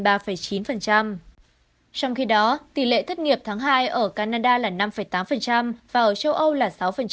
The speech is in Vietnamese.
trong khi đó tỷ lệ thất nghiệp tháng hai ở canada là năm tám và ở châu âu là sáu